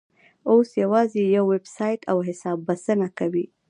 اوس یوازې یو ویبسایټ او حساب بسنه کوي.